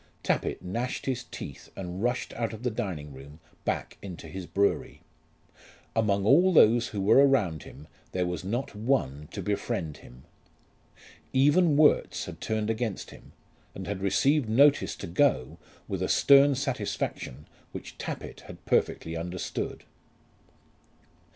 Tappitt gnashed his teeth and rushed out of the dining room back into his brewery. Among all those who were around him there was not one to befriend him. Even Worts had turned against him, and had received notice to go with a stern satisfaction which Tappitt had perfectly understood.